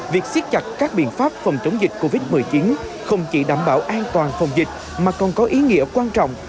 việc xiết chặt các biện pháp phòng chống dịch covid một mươi chín không chỉ đảm bảo an toàn phòng dịch mà còn có ý nghĩa quan trọng